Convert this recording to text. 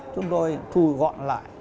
chúng tôi thù gọn lại